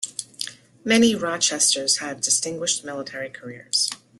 Many Rochesters had distinguished military careers.